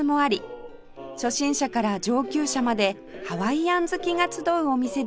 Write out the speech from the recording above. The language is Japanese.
初心者から上級者までハワイアン好きが集うお店です